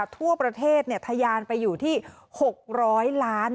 ทั่วประเทศทะยานไปอยู่ที่๖๐๐ล้าน